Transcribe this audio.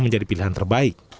menjadi pilihan terbaik